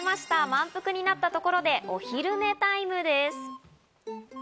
満腹になったところでお昼寝タイムです。